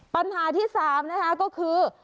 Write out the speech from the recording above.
ปัญหาที่๓นะคะก็คือ